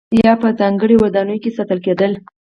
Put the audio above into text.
یا به په ځانګړو ودانیو کې ساتل کېدل.